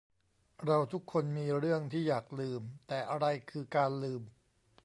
เราทุกคนมีเรื่องที่อยากลืม แต่อะไรคือ 'การลืม' ?